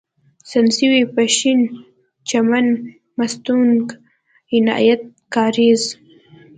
سنځاوۍ، پښين، چمن، مستونگ، عنايت کارېز